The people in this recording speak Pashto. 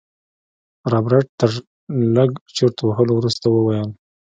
رابرټ تر لږ چورت وهلو وروسته وويل.